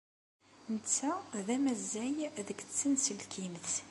Netta d amazzay deg tsenselkimt.